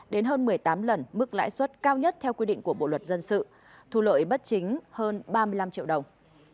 đến hơn một mươi tám lần mức lãi suất cao nhất theo quy định của bộ luật dân sự thu lợi bất chính hơn ba mươi năm triệu đồng